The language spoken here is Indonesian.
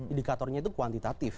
indikatornya itu kuantitatif